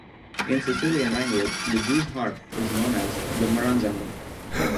In Sicilian language the Jew's harp is known as the "Marranzanu".